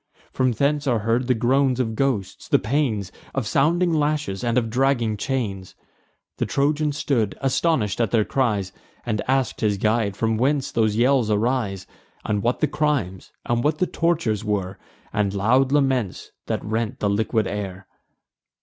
From hence are heard the groans of ghosts, the pains Of sounding lashes and of dragging chains. The Trojan stood astonish'd at their cries, And ask'd his guide from whence those yells arise; And what the crimes, and what the tortures were, And loud laments that rent the liquid air.